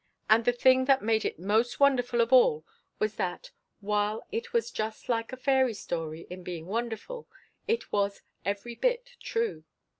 And the thing that made it most wonderful of all was that, while it was just like a fairy story in being wonderful, it was every bit true.